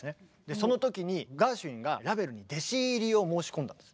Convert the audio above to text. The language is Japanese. その時にガーシュウィンがラヴェルに弟子入りを申し込んだんです。